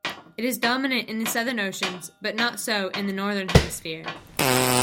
It is dominant in the Southern Oceans, but not so in the Northern Hemisphere.